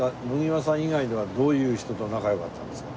野際さん以外ではどういう人と仲良かったんですか？